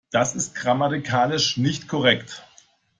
Das ist grammatikalisch nicht korrekt.